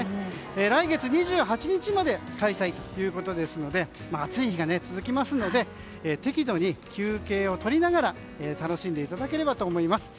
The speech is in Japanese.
来月２８日まで開催ということですので暑い日が続きますので適度に休憩をとりながら楽しんでいただければと思います。